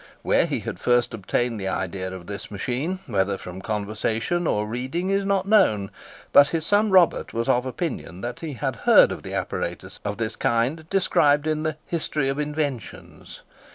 Where he had first obtained the idea of this machine—whether from conversation or reading, is not known; but his son Robert was of opinion that he had heard of the apparatus of this kind described in the "History of Inventions."